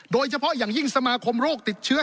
โดยเฉพาะอย่างยิ่งสมาคมโรคติดเชื้อ